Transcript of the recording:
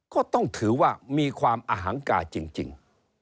ก็ต้องถือว่ามีความอหังกาจริง